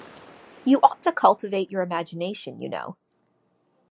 You ought to cultivate your imagination, you know.